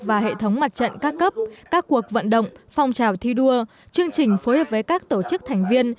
và hệ thống mặt trận các cấp các cuộc vận động phong trào thi đua chương trình phối hợp với các tổ chức thành viên